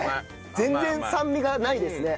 全然酸味がないですね。